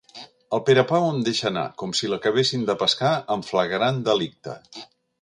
El Perepau em deixa anar, com si l'acabessin de pescar en flagrant delicte.